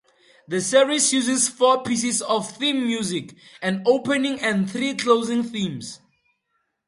The series uses four pieces of theme music: an opening and three closing themes.